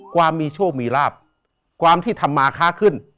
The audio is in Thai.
ความมีโชคมีลาบความที่ทำมาค้าขึ้น